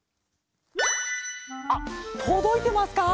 あっとどいてますか？